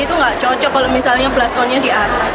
itu nggak cocok kalau misalnya blastronnya di atas